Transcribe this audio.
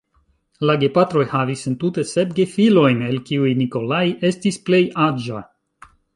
La gepatroj havis entute sep gefilojn, el kiuj "Nikolaj" estis plej aĝa.